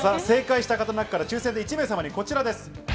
正解した方の中から抽選で１名様にこちらです。